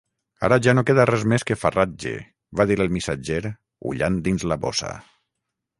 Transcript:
"Ara ja no queda res més que farratge", va dir el missatger, ullant dins la bossa.